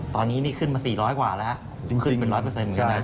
ตอนนี้นี่ขึ้นมา๔๐๐กว่าแล้วขึ้นไป๑๐๐อย่างนั้น